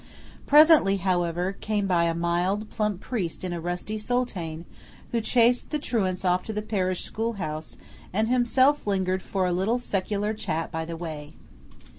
Presently, however, came by a mild, plump priest in a rusty soutane, who chased the truants off to the parish school house, and himself lingered for a little secular chat by the way.